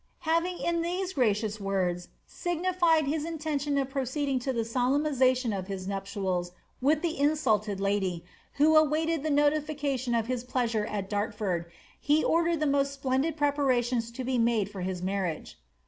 "* Having in these gracious words signified his intention of proceeding to the solemnisation of his nuptials with the insulted lady, who awaited the notification of his pleasure at Dartford, he ordered the most splendid preparations to be made for his marriage.